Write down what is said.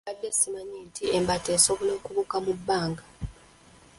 Mbadde simanyi nti embaata esobola okubuuka mu bbanga